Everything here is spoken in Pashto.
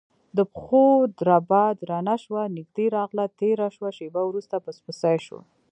د پښو دربا درنه شوه نږدې راغله تیره شوه شېبه وروسته پسپسی شو،